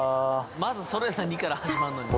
まず「それ何？」から始まんのにな